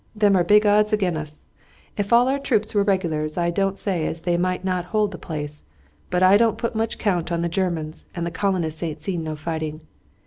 "Them are big odds agin' us. Ef all our troops was regulars, I don't say as they might not hold the place; but I don't put much count on the Germans, and the colonists aint seen no fighting.